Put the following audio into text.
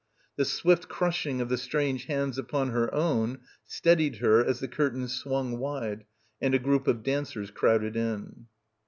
The swift crushing of the strange hands upon her own, steadied her as the curtains swung wide and a group of dancers crowded in.